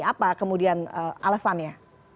apa kemudian alasannya